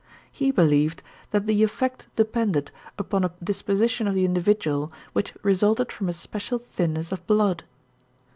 He believed that the effect depended upon a disposition of the individual which resulted from a special thinness of blood.